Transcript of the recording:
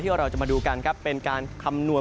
เราจะมาดูกันครับเป็นการคำนวณ